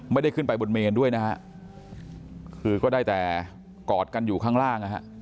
ไม่ได้ขึ้นไปบนเมนด้วยนะฮะคือก็ได้แต่กอดกันอยู่ข้างล่างนะฮะ